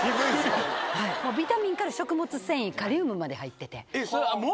ビタミンから食物繊維カリウムまで入ってて。